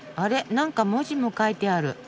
何か文字も書いてある。